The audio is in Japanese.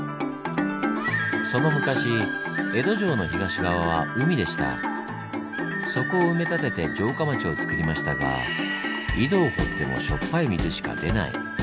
その昔そこを埋め立てて城下町をつくりましたが井戸を掘ってもしょっぱい水しか出ない。